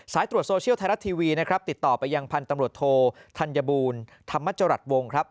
ตรวจโซเชียลไทยรัฐทีวีนะครับติดต่อไปยังพันธุ์ตำรวจโทธัญบูลธรรมจรัสวงครับ